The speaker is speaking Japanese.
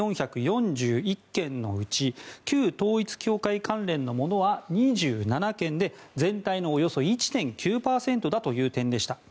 １４４１件のうち旧統一教会関連のものは２７件で全体のおよそ１．９％だという点でした。